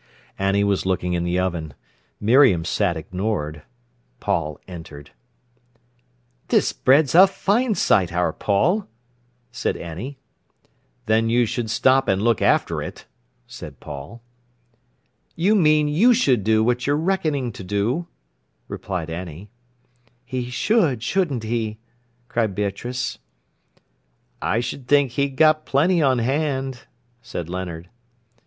Annie was looking in the oven. Miriam sat ignored. Paul entered. "This bread's a fine sight, our Paul," said Annie. "Then you should stop an' look after it," said Paul. "You mean you should do what you're reckoning to do," replied Annie. "He should, shouldn't he!" cried Beatrice. "I s'd think he'd got plenty on hand," said Leonard.